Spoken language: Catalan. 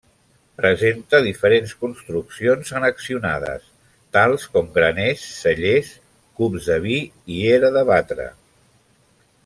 Presenta diferents construccions annexionades tals com graners, cellers, cups de vi i era de batre.